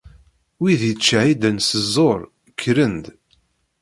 Wid yettcehhiden s ẓẓur kkren-d.